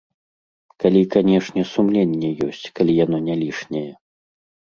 Калі, канешне, сумленне ёсць, калі яно не лішняе.